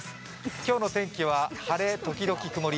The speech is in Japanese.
今日の天気は晴れ時々曇り。